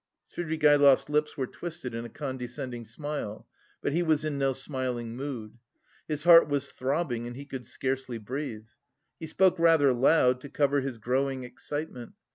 Svidrigaïlov's lips were twisted in a condescending smile; but he was in no smiling mood. His heart was throbbing and he could scarcely breathe. He spoke rather loud to cover his growing excitement.